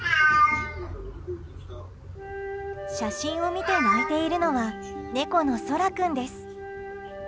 写真を見て鳴いているのは猫のソラ君です。